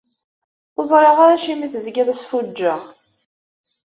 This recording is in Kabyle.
Ur ẓriɣ ara acimi tezga d asfuǧǧeɣ?